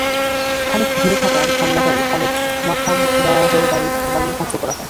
খানিক দূরে থাকা আরেক হামলাকারী খালেদ মাখামরাহর বাড়িও ধ্বংস করা হয়।